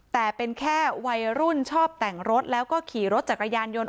แต่เป็นแค่วัยรุ่นชอบแต่งรถแล้วก็ขี่รถจักรยานยนต์